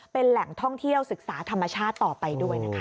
เป็นแหล่งท่องเที่ยวศึกษาธรรมชาติต่อไปด้วยนะคะ